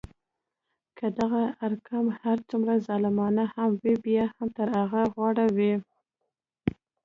که دغه ارقام هر څومره ظالمانه هم وي بیا هم تر هغه غوره وو.